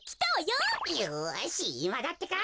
よしいまだってか！